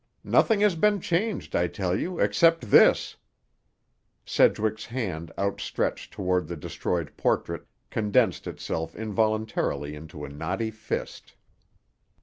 "Nothing has been changed, I tell you, except this." Sedgwick's hand, outstretched toward the destroyed portrait, condensed itself involuntarily into a knotty fist.